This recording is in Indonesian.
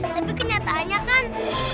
tapi kenyataannya kan